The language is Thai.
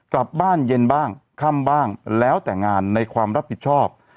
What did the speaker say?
กลับบ้านเย็นบ้างค่ำบ้างแล้วแต่งานในความรับผิดชอบ